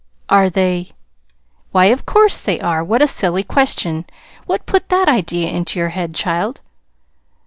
"Are they Why, of course they are! What a silly question! What put that idea into your head, child?"